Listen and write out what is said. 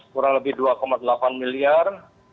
kurang lebih dua delapan miliar